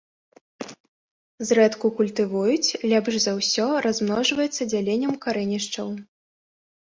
Зрэдку культывуюць, лепш за ўсё размножваецца дзяленнем карэнішчаў.